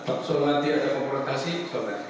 soalnya nanti ada konfrontasi soalnya